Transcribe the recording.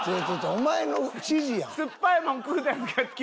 お前の指示やん。